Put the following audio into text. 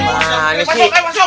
masuk masuk masuk